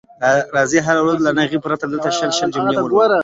راځئ هره ورځ له ناغې پرته دلته شل شل جملې ولولو.